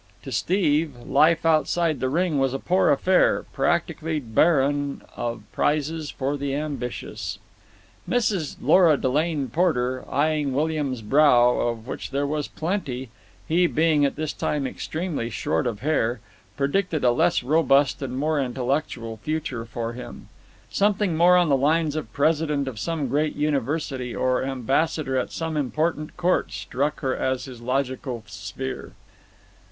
To Steve life outside the ring was a poor affair, practically barren of prizes for the ambitious. Mrs. Lora Delane Porter, eyeing William's brow, of which there was plenty, he being at this time extremely short of hair, predicted a less robust and more intellectual future for him. Something more on the lines of president of some great university or ambassador at some important court struck her as his logical sphere.